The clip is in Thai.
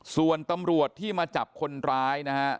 ส่วนตำรวจที่มาจับคนร้ายนะฮะ